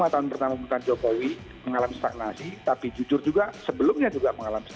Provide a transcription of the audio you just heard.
lima tahun pertama bukan jokowi mengalami stagnasi tapi jujur juga sebelumnya juga mengalami